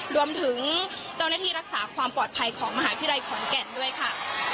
รวมถึงเจ้าหน้าที่รักษาความปลอดภัยของมหาวิทยาลัยขอนแก่นด้วยค่ะ